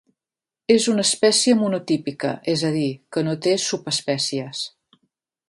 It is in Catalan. És una espècie monotípica, és a dir, que no té subespècies.